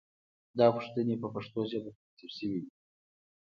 دا پوښتنې په پښتو ژبه ترتیب شوې دي.